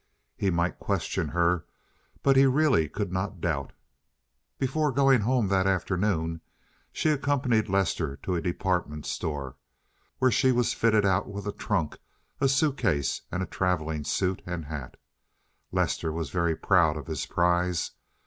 He might question her, but he really could not doubt Before going home that afternoon she accompanied Lester to a department store, where she was fitted out with a trunk, a suit case, and a traveling suit and hat. Lester was very proud of his prize.